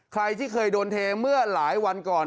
ใครที่เคยโดนเทเมื่อหลายวันก่อน